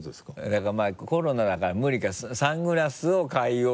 だからまぁコロナだから無理かサングラスを海王。